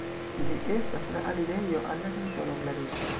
Ĝi estas la alirejo al la Kantono Glaruso.